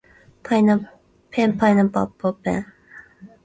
ペンパイナッポーアッポーペン